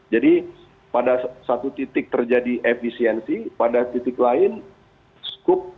jadi pada satu titik terjadi efisiensi pada titik lain scoop